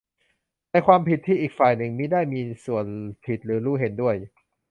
ในความผิดที่อีกฝ่ายหนึ่งมิได้มีส่วนผิดหรือรู้เห็นด้วย